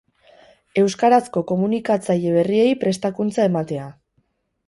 Euskarazko komunikatzaile berriei prestakuntza ematea.